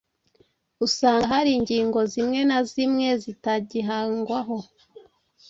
usanga hari ingingo zimwe na zimwe zitagihangwaho.